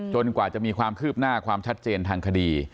กว่าจะมีความคืบหน้าความชัดเจนทางคดี